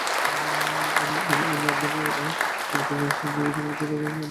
আমি আপনাকে আমন্ত্রণ জানাচ্ছি, আপনার যদি ক্ষমতা থাকে আমাকে বাংলাদেশে তাড়িয়ে দিন।